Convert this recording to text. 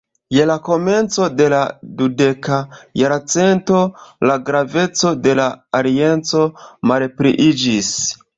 Je la komenco de la dudeka jarcento la graveco de la alianco malpliiĝis.